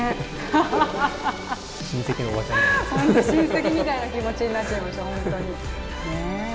親戚みたいな気持ちになっちゃいました、ほんとに。